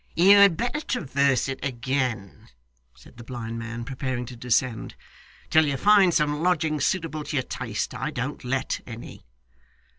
'You had better traverse it again,' said the blind man, preparing to descend, 'till you find some lodgings suitable to your taste. I don't let any.